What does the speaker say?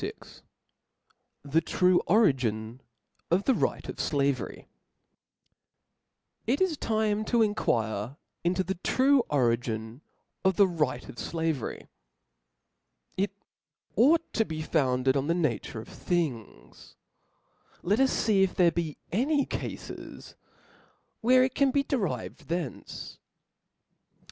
Vt The true Origin of the Right of Slavetp T T is time to enquire into the true origin of thtf •*• right of flavery^ It ought to be founded on the nature of things \ let us fee if there be any cafes where it can be derived from theoce.